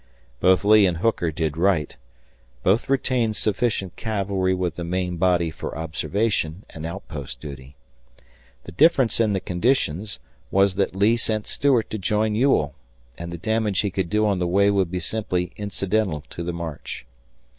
Both Lee and Hooker did right; both retained sufficient cavalry with the main body for observation and outpost duty. The difference in the conditions was that Lee sent Stuart to join Ewell, and the damage he would do on the way would be simply incidental to the march.